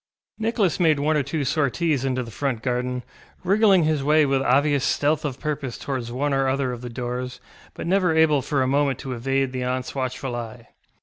Nicholas made one or two sorties into the front garden, wriggling his way with obvious stealth of purpose towards one or other of the doors, but never able for a moment to evade the auntŌĆÖs watchful eye.